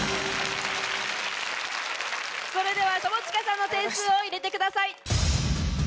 それでは友近さんの点数を入れてください。